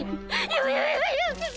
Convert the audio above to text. よよよよ。